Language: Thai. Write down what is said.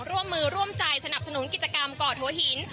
ร่วมมือร่วมใจสนับสนุนกิจกรรมก่อหัวหิน